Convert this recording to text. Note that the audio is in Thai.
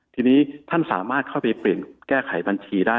ทีนี้ท่านสามารถเข้าไปเปลี่ยนแก้ไขบัญชีได้